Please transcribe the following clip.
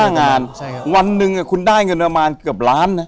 ๕งานวันหนึ่งคุณได้เงินอำมาตย์เกือบล้านนะ